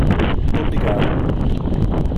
Obrigado